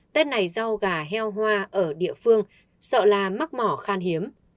tết này rau gà heo hoa ở địa phương sợ là mắc mỏ khan hiếm